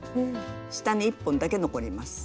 下に１本だけ残ります。